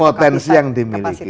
potensi yang dimiliki